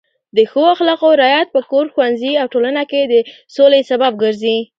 د ښو اخلاقو رعایت په کور، ښوونځي او ټولنه کې د سولې سبب ګرځي.